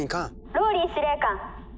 「ＲＯＬＬＹ司令官」。